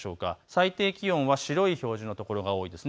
最低気温は白い表示の所が多いです。